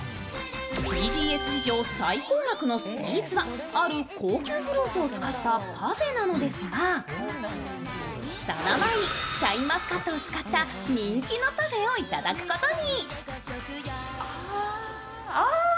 ＢＧＳ史上最高額のスイーツはある高級フルーツを使ったパフェなのですが、その前にシャインマスカットを使った人気のパフェを頂くことに。